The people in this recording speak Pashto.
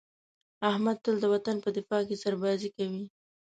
احمد تل د وطن په دفاع کې سربازي کوي.